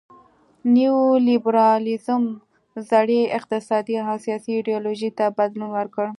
نیو لیبرالیزم زړې اقتصادي او سیاسي ایډیالوژۍ ته بدلون ورکړ.